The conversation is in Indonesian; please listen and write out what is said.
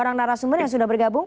orang narasumber yang sudah bergabung